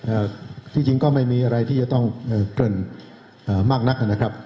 ที่จริงก็ไม่มีอะไรที่จะต้องเอ่อเกริ่นอ่ามากนักนะครับ